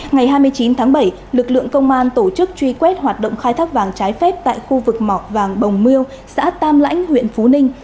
ngày hai mươi chín tháng bảy lực lượng công an tổ chức truy quét hoạt động khai thác vàng trái phép tại khu vực mọc vàng bồng miêu xã tam lãnh huyện phú ninh